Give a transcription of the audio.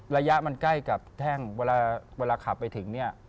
ระยะมันใกล้กับแท่งเวลาขับไปถึงเนี่ย